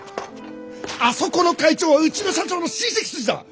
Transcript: あそこの会長はうちの社長の親戚筋だ！